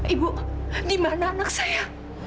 ibu di mana anak saya